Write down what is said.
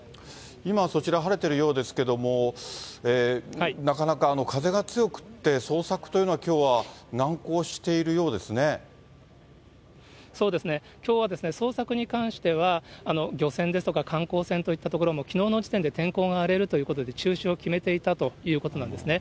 今、そちら晴れているようですけれども、なかなか風が強くて、捜索というのは、そうですね、きょうは捜索に関しては、漁船ですとか、観光船といったところもきのうの時点で天候が荒れるということで、中止を決めていたということなんですね。